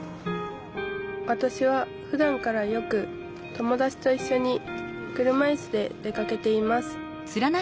わたしはふだんからよく友達といっしょに車いすで出かけています